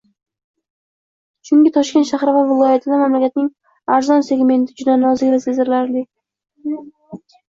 Chunki Toshkent shahri va viloyatida mamlakatning arzon segmenti juda nozik va sezilarli